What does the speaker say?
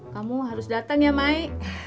kamu harus datang ya mai